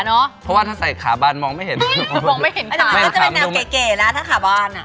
เพราะว่าถ้าใส่ขาบานมองไม่เห็นมองไม่เห็นอาจารย์ก็จะเป็นแนวเก๋แล้วถ้าขาบานอ่ะ